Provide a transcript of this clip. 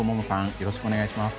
よろしくお願いします。